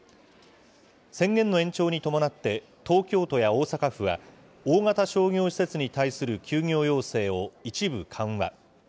宣言の延長に伴って、東京都や大阪府は、大型商業施設に対する休業要請を一部緩和。